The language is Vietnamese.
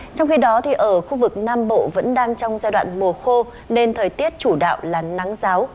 trong khi đó ở khu vực nam bộ vẫn đang trong giai đoạn mùa khô nên thời tiết chủ đạo là nắng giáo